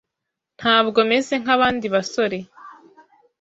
Ntabwo meze nkabandi basore.